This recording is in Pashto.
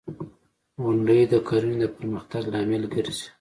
• غونډۍ د کرنې د پرمختګ لامل ګرځي.